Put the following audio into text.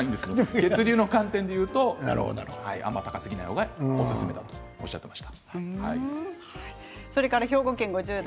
血流の関係でいうとあまり高すぎない方がおすすめだとおっしゃっていました。